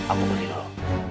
aku pergi dulu